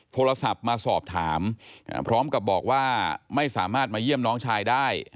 โทรศัพท์มาสอบถามพร้อมกับบอกว่าไม่สามารถมาเยี่ยมน้องชายได้